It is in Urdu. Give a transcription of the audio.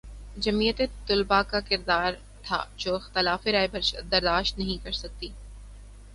جمعیت طلبہ کا کردار تھا جو اختلاف رائے برداشت نہیں کر سکتی